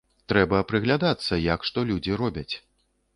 Трэба прыглядацца, як што людзі робяць.